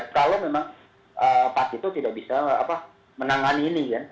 kalau memang pak tito tidak bisa menangani ini